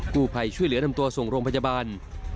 ผู้ภัยช่วยเหลือนำตัวส่งโรงพยาบาล